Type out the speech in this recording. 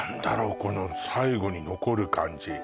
この最後に残る感じ